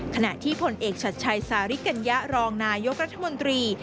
ขณะที่ผลเอกชัดชัยสาริกัญญะรองนายกรัฐมนตรี